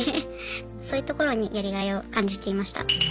そういうところにやりがいを感じていました。